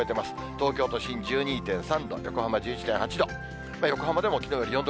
東京都心１２．３度、横浜１１．８度。